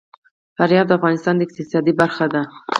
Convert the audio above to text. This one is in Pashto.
فاریاب د افغانستان د اقتصاد برخه ده.